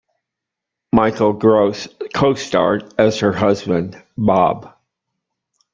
Michael Gross co-starred as her husband, Bob.